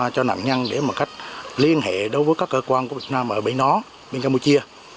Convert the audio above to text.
cho nạn nhân để một cách liên hệ đối với các cơ quan của việt nam ở bên nó bên campuchia